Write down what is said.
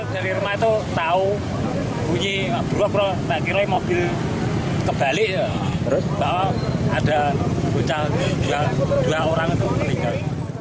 dari rumah itu tahu bunyi berubah berubah terakhirnya mobil kebalik terus bawa ada bunca dua orang itu meninggal